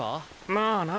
まあな。